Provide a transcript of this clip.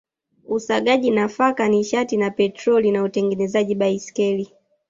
Usagaji nafaka nishati na petroli na utengenezaji baiskeli